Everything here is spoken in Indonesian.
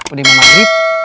udah mau mandi